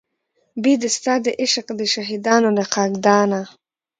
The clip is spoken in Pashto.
بې د ستا د عشق د شهیدانو له خاکدانه